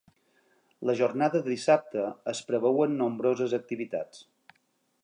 La jornada de dissabte es preveuen nombroses activitats.